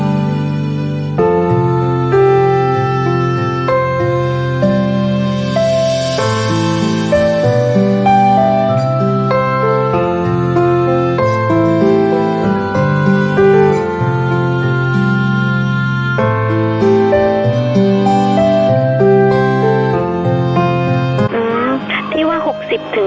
สวัสดีครับ